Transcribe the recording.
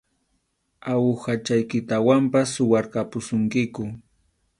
Awuhachaykitawanpas suwarqapusunkiku.